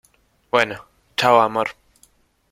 bueno. chao, amor .